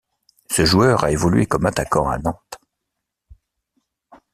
Ce joueur a évolué comme attaquant à Nantes.